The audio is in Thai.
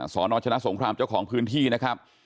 สนชนะสงครามเจ้าของพื้นที่นะครับ